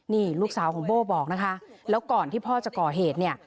นี่ลูกสาวของโบ้บอกนะคะแล้วก่อนที่พ่อจะก่อเหตุเนี่ย